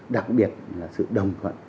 đặc biệt là sự đồng thuận